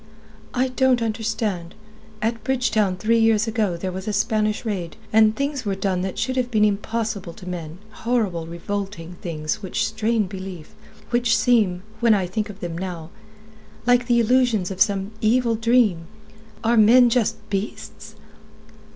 "I don't understand. At Bridgetown three years ago there was a Spanish raid, and things were done that should have been impossible to men, horrible, revolting things which strain belief, which seem, when I think of them now, like the illusions of some evil dream. Are men just beasts?"